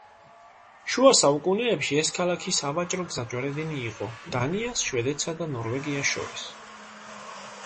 შუა საუკუნეებში ეს ქალაქი სავაჭრო გზაჯვარედინი იყო დანიას, შვედეთსა და ნორვეგიას შორის.